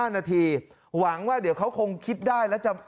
๕นาทีหวังว่าเดี๋ยวเขาคงคิดได้แล้วจะ